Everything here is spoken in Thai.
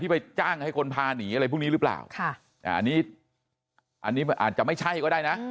ไปจ้างให้คนพาหนีอะไรพวกนี้หรือเปล่าอันนี้อันนี้อาจจะไม่ใช่ก็ได้นะ